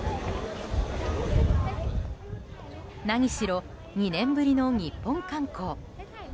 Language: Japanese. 何しろ２年ぶりの日本観光。